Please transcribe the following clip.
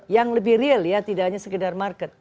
yang lebih real ya tidak hanya sekedar market